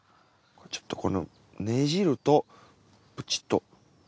ちょっとこのねじるとプチッと。